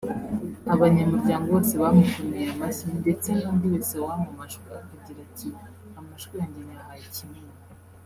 abanyamuryango bose bamukomeye amashyi ndetse n’undi wese wamamajwe akagira ati “Amajwi yanjye nyahaye Kimenyi